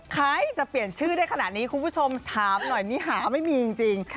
ใครจะเปลี่ยนชื่อได้ขนาดนี้คุณผู้ชมถามหน่อยนี่หาไม่มีจริง